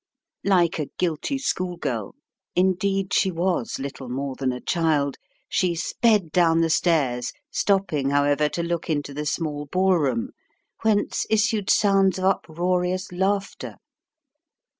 Like a guilty schoolgirl, indeed she was little more than a child, she sped down the stairs, stopping, however, to look into the small ballroom whence issued sounds of uproarious laughter.